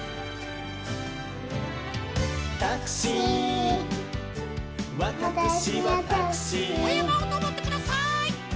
「タクシーわたくしはタクシー」おやまをのぼってください！